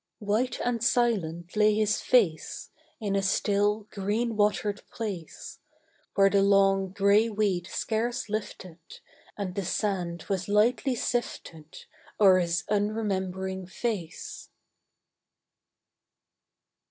White and silent lay his face In a still, green watered place, Where the long, gray weed scarce lifted, And the sand was lightly sifted O'er his unremembering face.